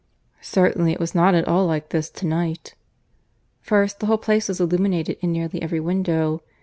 Certainly it was not at all like this to night. First, the whole place was illuminated in nearly every window.